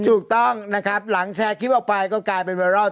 ถูกต้องนะครับหลังแชร์คลิปออกไปก็กลายเป็นไวรัล